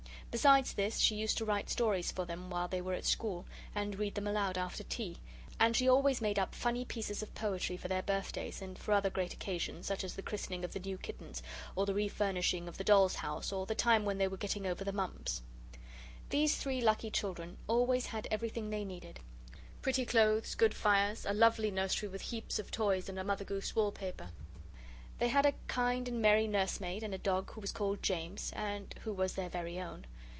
Besides this she used to write stories for them while they were at school, and read them aloud after tea, and she always made up funny pieces of poetry for their birthdays and for other great occasions, such as the christening of the new kittens, or the refurnishing of the doll's house, or the time when they were getting over the mumps. These three lucky children always had everything they needed: pretty clothes, good fires, a lovely nursery with heaps of toys, and a Mother Goose wall paper. They had a kind and merry nursemaid, and a dog who was called James, and who was their very own.